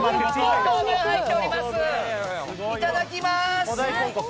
いただきます。